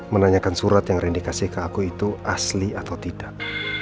menanyakan surat yang rendikasi ke aku itu asli atau tidak